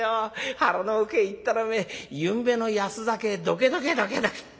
腹の奥へ行ったらおめえゆんべの安酒どけどけどけどけ。